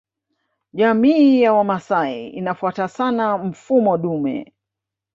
Jamii ya Wamasai inafuata sana mfumoo dume